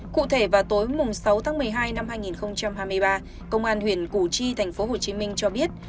cụ thể vào tối sáu tháng một mươi hai năm hai nghìn hai mươi ba công an huyện củ chi tp hcm cho biết